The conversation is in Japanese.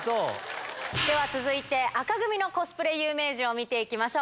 では続いて、紅組のコスプレ有名人を見ていきましょう。